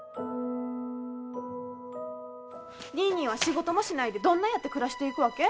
ニーニーは仕事もしないでどんなやって暮らしていくわけ？